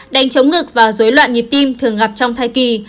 đánh chống ngực và dối loạn nhịp tim thường gặp trong thai kỳ